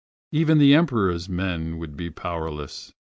Even the Emperors men would be powerless.